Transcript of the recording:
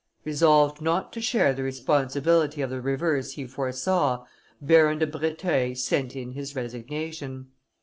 Resolved not to share the responsibility of the reverse he foresaw, Baron de Breteuil sent in his resignation.